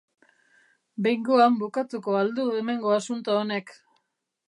Behingoan bukatuko ahal du hemengo asunto honek.